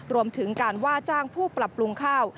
รวมถึงการว่าจ้างผู้ปรับปรุงข้าว